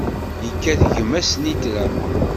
Yekkat gma snitra.